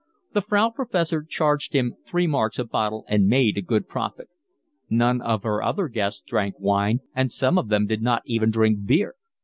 The Frau Professor charged him three marks a bottle and made a good profit. None of her other guests drank wine, and some of them did not even drink beer.